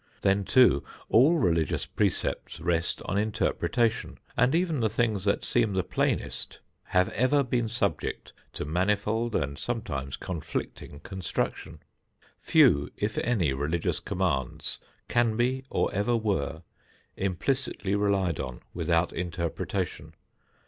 Then, too, all religious precepts rest on interpretation, and even the things that seem the plainest have ever been subject to manifold and sometimes conflicting construction. Few if any religious commands can be, or ever were, implicitly relied on without interpretation.